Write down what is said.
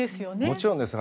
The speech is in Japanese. もちろんです。